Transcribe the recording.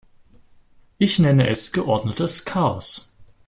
Ich nenne es geordnetes Chaos.